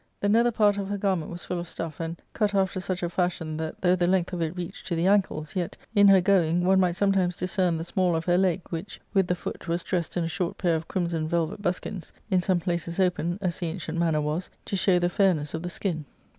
The nether part of her garment was full of stuff, and cut after such a fashion that, though the length of it reached to the ankles, yet, in her going, one/ might sometimes discern the small of her leg, which, with the foot, was dressed in a short pair of crimson velvet buskins, in some places open, as the ancient manner was, to show the fairness of the skin.